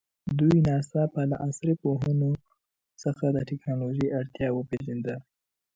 دوی ناڅاپه له عصري پوهنو څخه د تکنالوژي اړتیا وپېژانده.